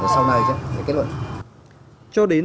sau này sẽ kết luận